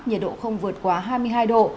nhiệt độ không vượt quá hai mươi hai độ